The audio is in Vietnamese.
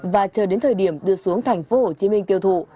và chờ đến thời điểm đưa xuống thành phố hồ chí minh tiêu thụ